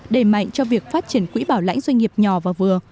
đẩy mạnh cho việc phát triển quỹ bảo lãnh doanh nghiệp nhỏ và vừa